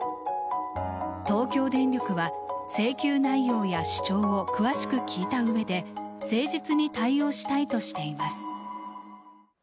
東京電力は、請求内容や主張を詳しく聞いたうえで誠実に対応したいとしています。